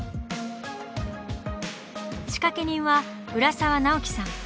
仕掛け人は浦沢直樹さん。